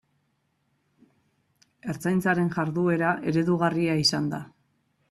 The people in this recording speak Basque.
Ertzaintzaren jarduera eredugarria izan da.